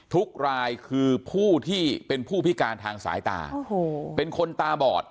ทุกรายคือผู้ที่เป็นผู้พิการทางสายตาเป็นคนตาบอด